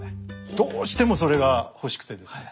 どうしてもそれが欲しくてですね